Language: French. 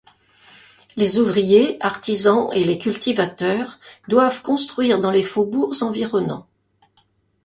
Les ouvriers, artisans et les cultivateurs doivent construire dans les faubourgs environnants.